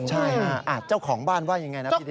ใช่ค่ะอ่าเจ้าของบ้านว่ายังไงนะพี่ดิน